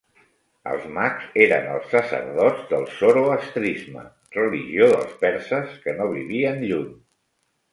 Els mags eren els sacerdots del zoroastrisme, religió dels perses, que no vivien lluny.